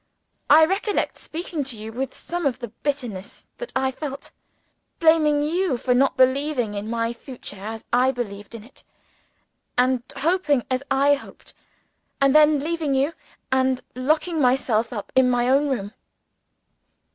I recollect speaking to you with some of the bitterness that I felt blaming you for not believing in my future as I believed in it, and hoping as I hoped and then leaving you, and locking myself up in my own room."